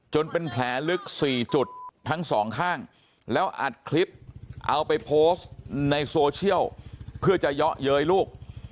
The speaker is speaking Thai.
เป็นแผลลึก๔จุดทั้งสองข้างแล้วอัดคลิปเอาไปโพสต์ในโซเชียลเพื่อจะเยาะเย้ยลูก